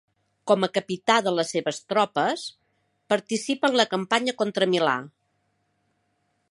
Com a capità de les seves tropes, participa en la campanya contra Milà.